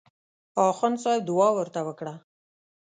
اخندصاحب دعا ورته وکړه.